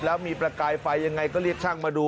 แล้วมีประกายไฟยังไงก็เรียกช่างมาดู